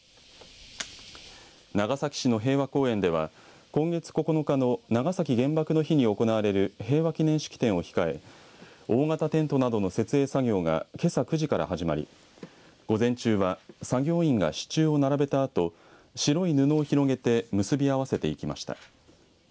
長崎市の平和公園では今月９日の長崎原爆の日に行われる平和祈念式典を控え大型テントなどの設営作業がけさ９時から始まり、午前中は作業員が支柱を並べたあと白い布を広げて結び合わせていきました。